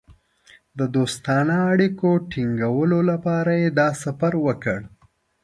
د دوستانه اړیکو ټینګولو لپاره یې دا سفر وکړ.